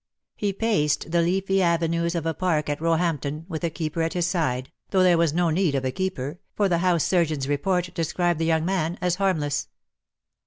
He paced the leafy avenues of a park at Roehampton, with a keeper at his side, though there was no need of a keeper, for the house surgeon's report described the young man as "harmless."